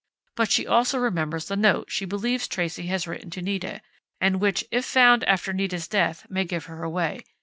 But she also remembers the note she believes Tracey has written to Nita, and which, if found after Nita's death, may give her away.